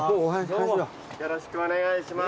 よろしくお願いします。